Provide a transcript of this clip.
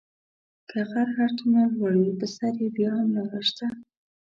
که غر هر څومره لوړ وي په سر یې بیا هم لاره شته .